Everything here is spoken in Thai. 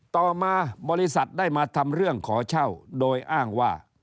ต่อมาบริษัทได้มาทำเรื่องขอเช่าโดยอ้างว่า